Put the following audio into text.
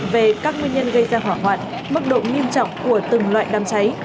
về các nguyên nhân gây ra hỏa hoạn mức độ nghiêm trọng của từng loại đám cháy